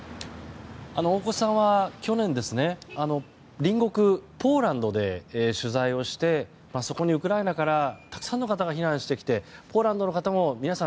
大越さんは去年隣国のポーランドで取材をしてそこにウクライナからたくさんの方が避難してきて、ポーランドの方も皆さん